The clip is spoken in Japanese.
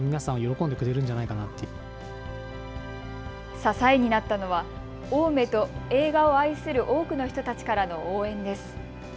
支えになったのは青梅と、映画を愛する多くの人たちからの応援です。